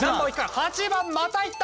８番またいった！